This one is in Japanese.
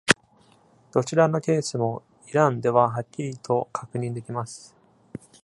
どちらのケースもイランでははっきりと確認できます。